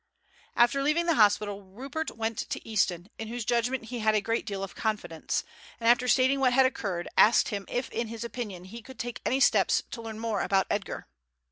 After leaving the hospital Rupert went to Easton, in whose judgment he had a great deal of confidence, and after stating what had occurred asked him if in his opinion he could take any steps to learn more about Edgar.